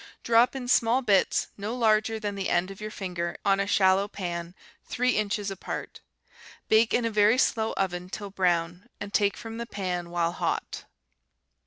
Drop in small bits, no larger than the end of your finger, on a shallow pan, three inches apart. Bake in a very slow oven till brown, and take from the pan while hot.